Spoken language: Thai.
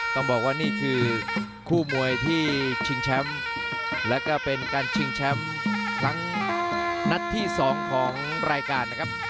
ต้องบอกว่านี่คือคู่มวยที่ชิงแชมป์และก็เป็นการชิงแชมป์ทั้งนัดที่๒ของรายการนะครับ